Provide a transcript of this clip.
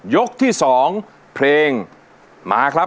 ยกที่๒เพลงมาครับ